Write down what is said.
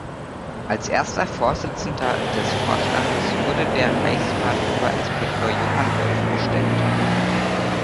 Als erster Vorsitzender des Vorstandes wurde der Reichsbahn-Oberinspektor Johann Wolf bestellt.